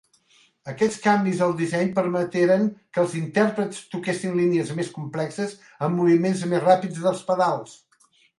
Aquests canvis al disseny permeteren que els intèrprets toquessin línies més complexes, amb moviments més ràpids dels pedals.